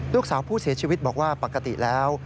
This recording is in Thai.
ลูกสาวผู้เสียชีวิตบอกว่าปกติแล้ว